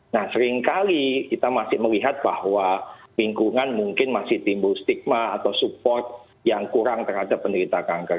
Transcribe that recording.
nah seringkali kita masih melihat bahwa lingkungan mungkin masih timbul stigma atau support yang kurang terhadap penderita kanker